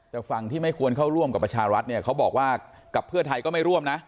แต่ฝั่งที่ไม่ควรเข้าร่วมกับประชารัฐเนี่ยเขาบอกว่ากับเพื่อไทยก็ไม่ร่วมนะ